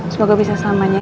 semoga bisa selamanya